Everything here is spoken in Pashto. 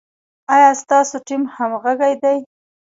ایا ستاسو ټیم همغږی دی؟